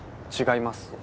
違います。